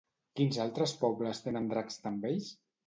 Quins altres pobles tenen dracs tan vells?